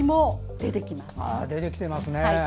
出てきていますね。